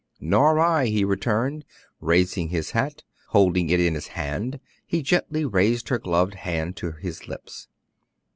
"Nor I," he returned, raising his hat; holding it in his hand, he gently raised her gloved hand to his lips.